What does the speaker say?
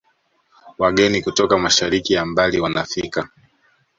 Wageni kutoka mashariki ya mbali wanafika